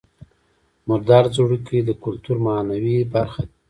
مردار ځړوکی د کولتور معنوي برخه ده